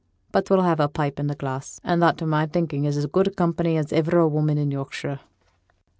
But we'll have a pipe and a glass; and that, to my thinking, is as good company as iver a woman in Yorkshire.'